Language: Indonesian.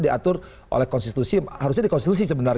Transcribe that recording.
diatur oleh konstitusi